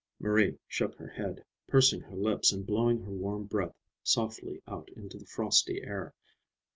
Marie shook her head, pursing her lips and blowing her warm breath softly out into the frosty air.